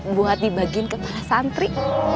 buat dibagiin ke para santri